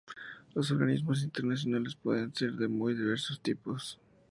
Los organismos internacionales pueden ser de muy diversos tipos.